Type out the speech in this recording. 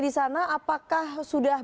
disana apakah sudah